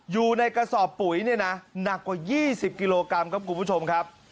อยู่ในกระสอบปุ๋ยเนี่ยนะหนักกว่า๒๐กิโลกรัมครับคุณผู้ชมครับ